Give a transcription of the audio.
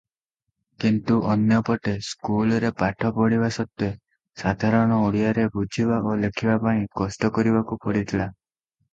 କିନ୍ତୁ ଅନ୍ୟ ପଟେ ସ୍କୁଲରେ ପାଠ ପଢ଼ିବା ସତ୍ତ୍ୱେ ସାଧାରଣ ଓଡ଼ିଆରେ ବୁଝିବା ଓ ଲେଖିବା ପାଇଁ କଷ୍ଟକରିବାକୁ ପଡ଼ିଥିଲା ।